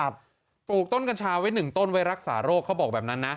บลูกต้นกัลชาไว้๑ต้นรักษารกเขาบอกแบบนั้นนะ